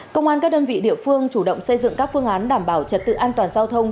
công an các đơn vị địa phương chủ động xây dựng các phương án đảm bảo trật tự an toàn giao thông